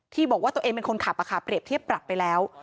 บอกว่าตัวเองเป็นคนขับเปรียบเทียบปรับไปแล้ว